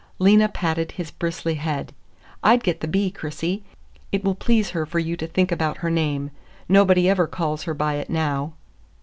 Lena patted his bristly head. "I'd get the B, Chrissy. It will please her for you to think about her name. Nobody ever calls her by it now."